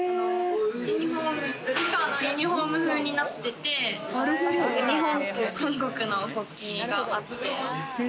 サッカーのユニホーム風になってて日本と韓国の国旗があって。